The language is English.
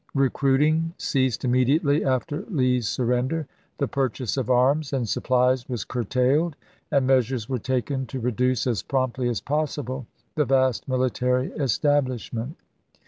Eecruiting ceased immediately after Lee's surrender; the purchase of arms and supplies was curtailed, and measures were taken to reduce as promptly as possible the vast military establishment.